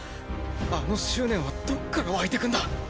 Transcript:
あの執念はどっから湧いてくんだ？